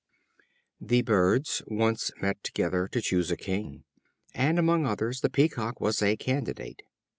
The Birds once met together to choose a king; and, among others, the Peacock was a candidate.